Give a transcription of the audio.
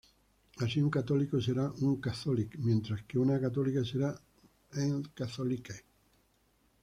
Así, un católico será "un catholique", mientras que una católica será "une catholique".